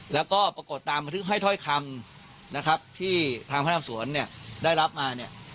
แล้วก็ปรากฏตามบันทึกให้ถ้อยคำนะครับที่ทางพนักสวนเนี่ยได้รับมาเนี่ย